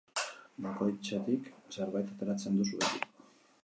Bakoitzetik zerbait ateratzen duzu beti.